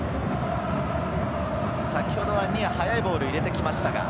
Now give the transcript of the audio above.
先ほどはニアに速いボールを入れてきました。